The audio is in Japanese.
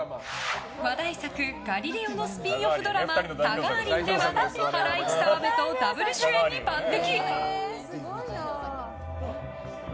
話題作「ガリレオ」のスピンオフドラマ「タガーリン」ではハライチ澤部とダブル主演に抜擢。